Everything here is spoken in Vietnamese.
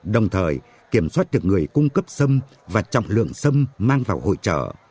đồng thời kiểm soát được người cung cấp sâm và trọng lượng sâm mang vào hội trợ